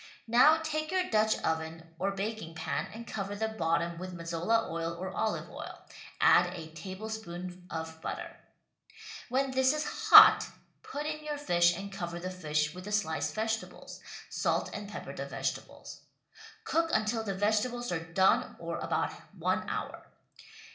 Now take your Dutch oven or baking pan and cover the bottom with Mazola oil or olive oil — add a tablespoon of butter. When this is hot put in your fish and cover the fish with the sliced vegetables. Salt and pepper the vegetables. Cook until the vegetables are done or about one hour.